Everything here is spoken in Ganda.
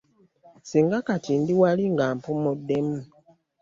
Singa kati ndi wali nga mpumudemu.